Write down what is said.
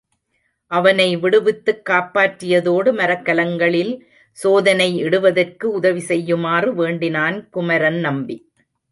அவனை விடுவித்துக் காப்பாற்றியதோடு, மரக்கலங்களில் சோதனையிடுவதற்கு உதவி செய்யுமாறு வேண்டினான் குமரன் நம்பி.